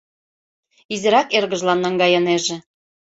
Изирак эргыжлан наҥгайынеже.